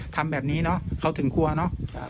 ทำแบบนี้เนอะเขาถึงครัวเนอะ